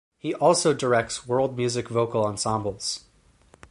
He also directs world music vocal ensembles.